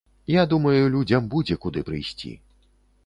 Я думаю, людзям будзе куды прыйсці.